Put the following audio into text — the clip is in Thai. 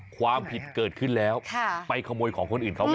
ความผิดเกิดขึ้นแล้วไปขโมยของคนอื่นเขา